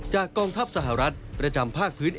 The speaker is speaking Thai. กองทัพสหรัฐประจำภาคพื้น